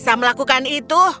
aku akan melakukan itu